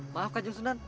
maafkan kanjang sunan